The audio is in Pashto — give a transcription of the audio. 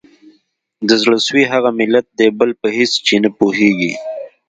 د زړه سوي هغه ملت دی بل په هیڅ چي نه پوهیږي